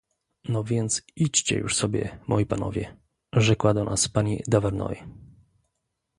No więc, idźcie już sobie, moi panowie — rzekła do nas pani Duvernoy.